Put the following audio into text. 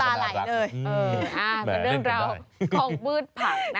อื้อเป็นเรื่องเรากองพืชผักนะ